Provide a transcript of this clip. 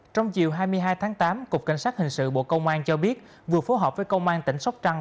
trong chiều hai mươi hai tháng tám cục cảnh sát hình sự bộ công an cho biết vừa phối hợp với công an tỉnh sóc trăng